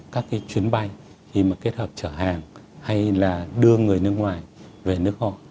các cái chuyến bay khi mà kết hợp chở hàng hay là đưa người nước ngoài về nước họ